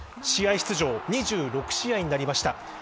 出場２６試合になりました。